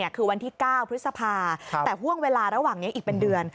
คือวันที่๙พฤษภาแต่ห่วงเวลาระหว่างนี้อีกเป็นเดือน